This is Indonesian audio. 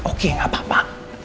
oke gak apa apa